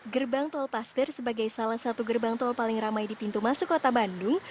gerbang tol paster sebagai salah satu gerbang tol paling ramai di pintu masuk kota bandung